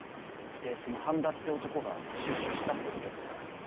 でその般田って男が出所したってことですか？